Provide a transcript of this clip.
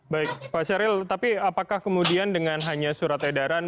baik pak syahril tapi apakah kemudian dengan hanya surat edaran